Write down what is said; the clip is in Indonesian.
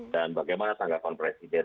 dan bagaimana tanggapan presiden